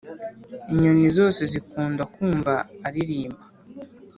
inyoni zose zikunda kumva aririmba